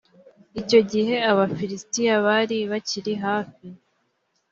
icyo gihe abafilisitiya bari bakiri hafi